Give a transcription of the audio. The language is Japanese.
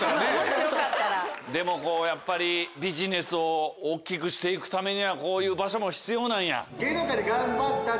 でもやっぱりビジネスを大きくして行くためにはこういう場所も必要なんや？